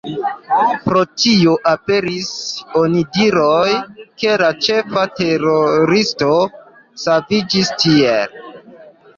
Pro tio aperis onidiroj, ke la ĉefa teroristo saviĝis tiele.